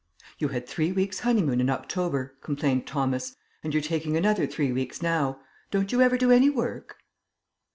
"You had three weeks' honeymoon in October," complained Thomas, "and you're taking another three weeks now. Don't you ever do any work?"